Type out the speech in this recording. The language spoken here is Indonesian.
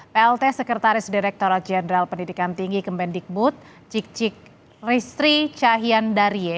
plt sekretaris direkturat jenderal pendidikan tinggi kemendikbud cikcik ristri cahyandarie